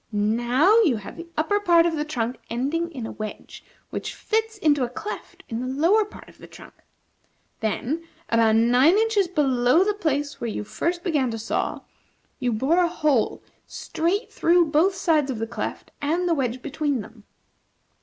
Now you have the upper part of the trunk ending in a wedge, which fits into a cleft in the lower part of the trunk. Then, about nine inches below the place where you first began to saw, you bore a hole straight through both sides of the cleft and the wedge between them.